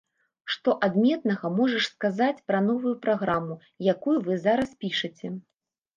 Што адметнага можаш сказаць пра новую праграму, якую вы зараз пішаце?